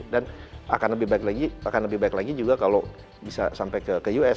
dan akan lebih baik lagi juga kalau bisa sampai ke us